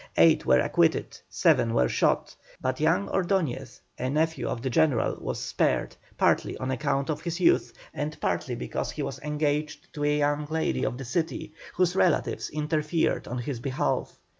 Eight were acquitted, seven were shot, but young Ordoñez, a nephew of the General, was spared, partly on account of his youth, and partly because he was engaged to a young lady of the city, whose relatives interfered on his behalf.